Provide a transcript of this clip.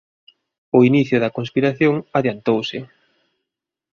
O inicio da conspiración adiantouse.